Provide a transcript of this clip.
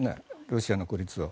ロシアの孤立を。